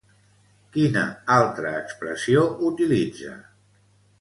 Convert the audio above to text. Quina altra expressió utilitza?